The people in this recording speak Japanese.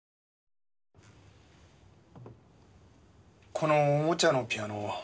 このおもちゃのピアノ